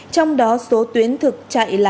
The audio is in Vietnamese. trong đó số tuyến thực chạy là năm trăm tám mươi tám